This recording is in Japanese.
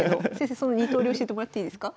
その２とおり教えてもらっていいですか？